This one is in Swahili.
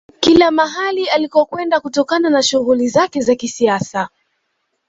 Kila mahali alikokwenda kutokana na shughuli zake za kisiasa